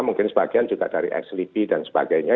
mungkin sebagian juga dari ex lipi dan sebagainya